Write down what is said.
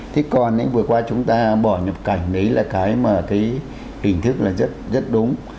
thế còn vừa qua chúng ta bỏ nhập cảnh đấy là cái mà cái hình thức là rất đúng